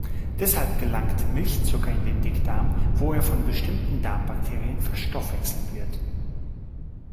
Deshalb gelangt Milchzucker in den Dickdarm, wo er von bestimmten Darmbakterien verstoffwechselt wird.